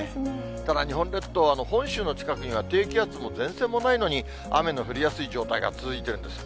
ただ、日本列島、本州の近くには低気圧も前線もないのに、雨の降りやすい状態が続いているんです。